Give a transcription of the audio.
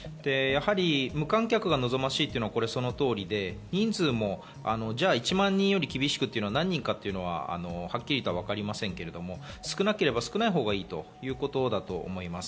無観客が望ましいというのは、その通りで人数も１万人より厳しくっていうは、何人なのかは、はっきりとは分かりませんけど、少なければ少ないほうがいいということだと思います。